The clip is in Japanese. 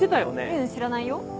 ううん知らないよ。